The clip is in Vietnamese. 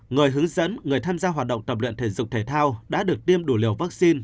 người hướng dẫn người tham gia hoạt động tập luyện thể dục thể thao đã được tiêm đủ liều vaccine